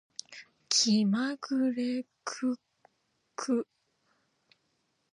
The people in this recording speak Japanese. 気まぐれクック